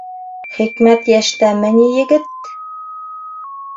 — Хикмәт йәштәме ни, егет!